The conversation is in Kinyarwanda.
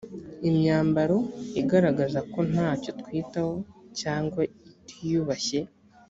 imyambaro igaragaza ko nta cyo twitaho cyangwa itiyubashye